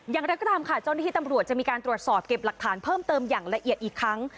อย่างไรก็ตามค่ะเจ้าหน้าที่ตำรวจจะมีการตรวจสอบเก็บหลักฐานเพิ่มเติมอย่างละเอียดอีกครั้ง